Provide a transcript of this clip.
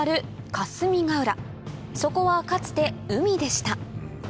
霞ヶ浦そこはかつて海でした